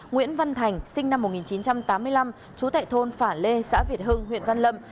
nguyễn văn thành sinh năm một nghìn chín trăm tám mươi năm trú tại thôn phả lê xã việt hưng huyện văn lâm